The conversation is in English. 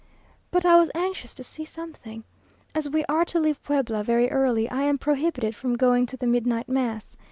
But I was anxious to see something. As we are to leave Puebla very early, I am prohibited from going to the midnight mass.